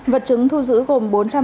vật chứng thu giữ gồm